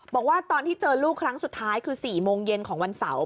บอกว่าตอนที่เจอลูกครั้งสุดท้ายคือ๔โมงเย็นของวันเสาร์